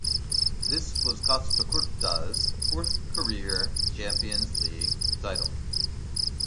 This was Costacurta's fourth career Champions League title.